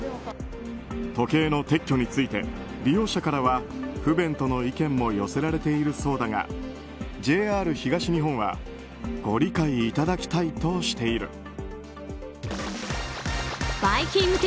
時計の撤去について利用者からは不便との意見も寄せられているそうだがＪＲ東日本はご理解いただきたいとしている。